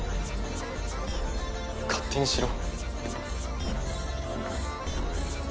勝手にしろ。